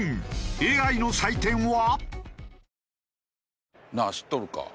ＡＩの採点は？